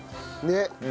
ねっ！